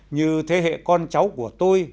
như thế hệ con cháu của tôi